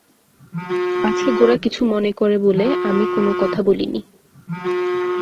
পাছে গোরা কিছু মনে করে বলে আমি কোনো কথা বলি নি।